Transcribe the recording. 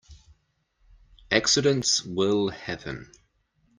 Accidents will happen.